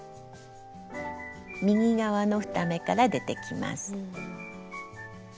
右側の２目から出てきます。